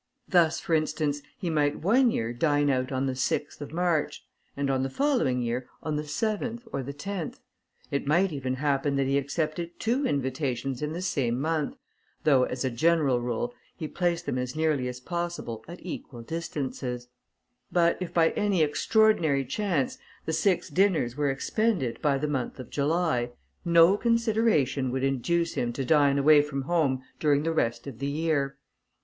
Thus, for instance, he might one year dine out on the 6th of March, and the following year on the 7th or the 10th; it might even happen that he accepted two invitations in the same month, though as a general rule he placed them as nearly as possible at equal distances; but if by any extraordinary chance, the six dinners were expended by the month of July, no consideration would induce him to dine away from home during the rest of the year.